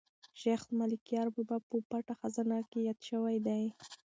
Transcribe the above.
شیخ ملکیار بابا په پټه خزانه کې یاد شوی دی.